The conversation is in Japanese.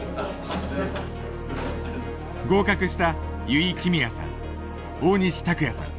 合格した油井亀美也さん大西卓哉さん。